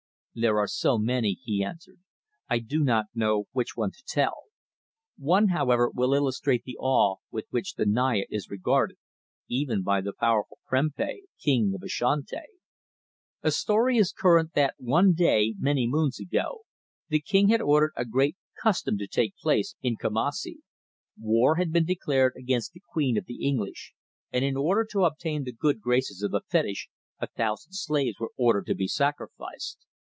"There are so many," he answered, "I do not know which one to tell. One, however, will illustrate the awe with which the Naya is regarded, even by the powerful Prempeh, King of Ashanti. A story is current that one day, many moons ago, the King had ordered a great 'custom' to take place in Kumassi. War had been declared against the Queen of the English, and in order to obtain the good graces of the fetish a thousand slaves were ordered to be sacrificed.